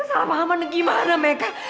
kesalahpahaman gimana mecca